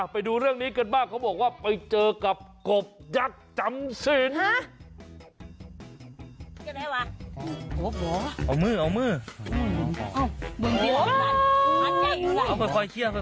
ไปดูเรื่องนี้กันบ้างเขาบอกว่าไปเจอกับกบยักษ์จำสิน